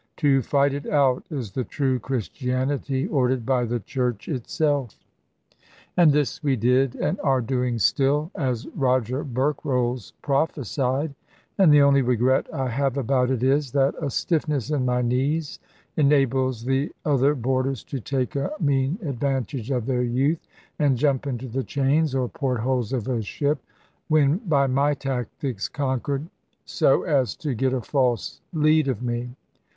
To fight it out is the true Christianity, ordered by the Church itself. And this we did, and are doing still, as Roger Berkrolles prophesied; and the only regret I have about it is, that a stiffness in my knees enables the other boarders to take a mean advantage of their youth, and jump into the chains or port holes of a ship (when by my tactics conquered), so as to get a false lead of me.